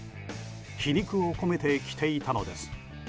皮肉を込めて着ていたのです。